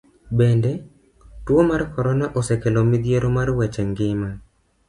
Bende, tuo mar korona osekelo midhiero mar weche ngima.